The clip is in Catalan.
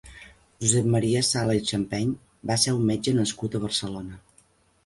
Josep Maria Sala i Xampeny va ser un metge nascut a Barcelona.